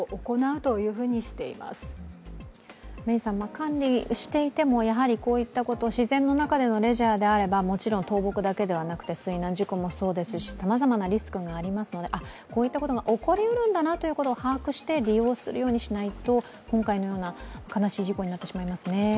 管理していても、やはりこういったこと自然の中でのレジャーであればもちろん倒木だけでなくて水難事故もそうですし、さまざまなリスクがありますので、こういったことが起こりうるんだなということを把握して利用しないと今回のような悲しい事故になってしまいますね。